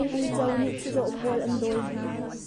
Uico nih chizawh pawl an dawi hna.